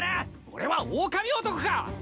俺はオオカミ男か！